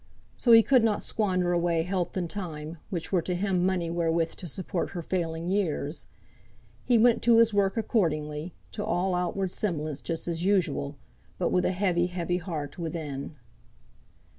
So he could not squander away health and time, which were to him money wherewith to support her failing years. He went to his work, accordingly, to all outward semblance just as usual; but with a heavy, heavy heart within.